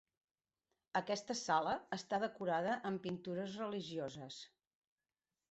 Aquesta sala està decorada amb pintures religioses.